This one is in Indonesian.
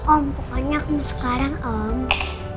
om pokoknya aku mau sekarang om